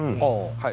はい